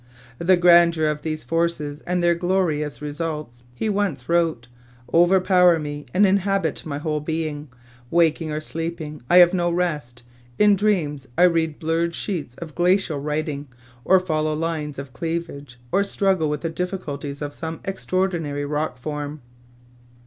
"The grandeur of these forces and their glorious results," he once wrote, "overpower me and inhabit my whole being. Waking or sleeping, I have no rest. In dreams I read blurred sheets of glacial writing, or follow lines of cleavage, or struggle with the difficulties of some extraordinary rock form."